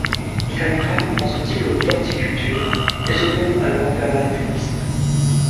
Il termine rapidement son diplôme d'horticulture et se tourne alors vers l'alpinisme.